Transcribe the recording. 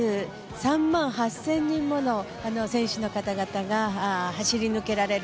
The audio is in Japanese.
３万８０００人もの選手の方々が走り抜けられる。